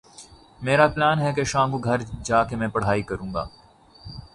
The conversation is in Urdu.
میرا پلین ہے کہ شام کو گھر جا کے میں پڑھائی کرو گا۔